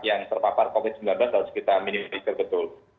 yang terpapar covid sembilan belas harus kita minimalisir betul